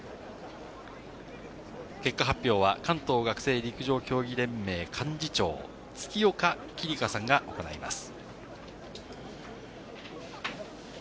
結果発表は関東学生陸上競技連盟幹事長・月岡葵梨香さんが行います。